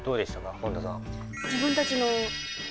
本田さん。